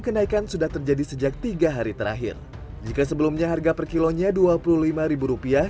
kenaikan sudah terjadi sejak tiga hari terakhir jika sebelumnya harga per kilonya dua puluh lima rupiah